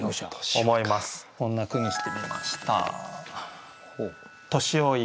こんな句にしてみました。